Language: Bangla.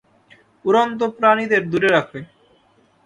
উড়ন্ত প্রাণীদের দূরে রাখে।